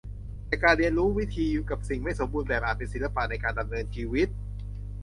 แต่การเรียนรู้วิธีอยู่กับสิ่งไม่สมบูรณ์แบบอาจเป็นศิลปะในการดำเนินชีวิต